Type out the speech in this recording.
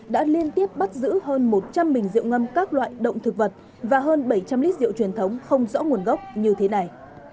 đã liên tiếp bắt giữ hơn một trăm linh bình rượu ngâm các loại động thực vật và hơn bảy trăm linh lít rượu truyền thống không rõ nguồn gốc như thế này